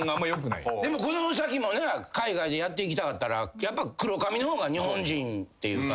でもこの先もな海外でやっていきたかったらやっぱ黒髪の方が日本人っていう感じで。